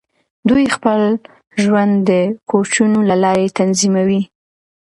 دوی خپل ژوند د کوچونو له لارې تنظیموي.